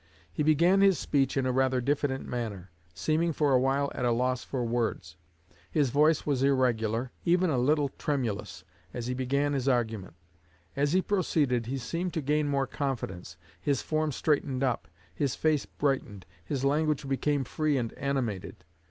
He began his speech in a rather diffident manner, seeming for awhile at a loss for words; his voice was irregular, even a little tremulous, as he began his argument. As he proceeded he seemed to gain more confidence, his form straightened up, his face brightened, his language became free and animated.